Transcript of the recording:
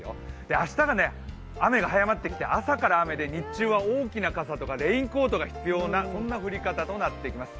明日が雨が早まってきまして朝から雨で日中は大きな傘とかレインコートが必要なそんな降り方となってきます。